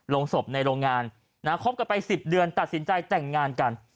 ลงศพในโรงงานนะคบกันไป๑๐เดือนตัดสินใจแต่งงานกัน